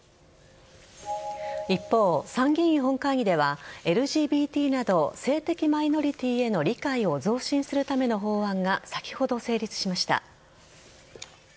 一方、参議院本会議ではＬＧＢＴなど性的マイノリティーへの理解を増進するための法案が先ほど、成立しました。